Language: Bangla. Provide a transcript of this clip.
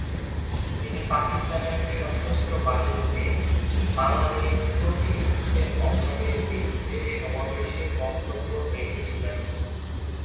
তিনি পাকিস্তানের সশস্ত্র বাহিনীতে বাঙালির প্রতিনিধিত্বের অভাবের বিরুদ্ধে সমাবেশে বক্তব্য রেখেছিলেন।